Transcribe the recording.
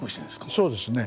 そうですね。